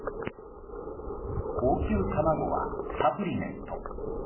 高級卵はサプリメント。